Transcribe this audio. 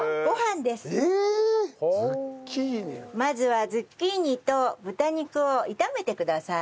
まずはズッキーニと豚肉を炒めてください。